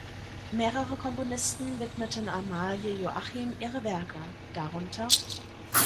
Mehrere Komponisten widmeten Amalie Joachim ihre Werke, darunter